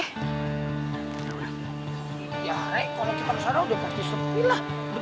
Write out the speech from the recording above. ya re kalau kita berusaha udah pasti sempit lah